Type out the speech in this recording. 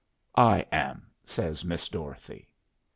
"I am," says Miss Dorothy.